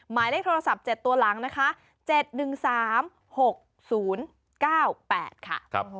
หมายเลขโทรศัพท์๗ตัวหลังนะคะ๗๑๓๖๐๙๘ค่ะ